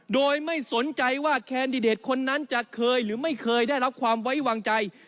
โดยไม่สนใจว่าแคนดิเดตคนนั้นจะเคยหรือไม่เคยได้รับความไว้วางใจ